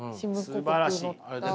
すばらしい。